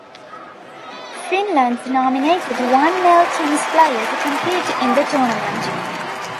Finland nominated one male tennis player to compete in the tournament.